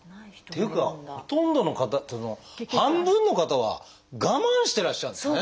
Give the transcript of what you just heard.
っていうかほとんどの方っていうのは半分の方は我慢してらっしゃるんですね。